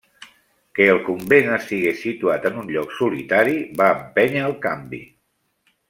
Que el convent estigués situat en un lloc solitari va empènyer al canvi.